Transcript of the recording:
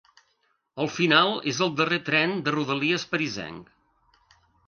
Al final és el darrer tren de rodalies parisenc.